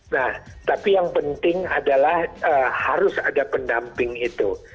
nah tapi yang penting adalah harus ada pendamping itu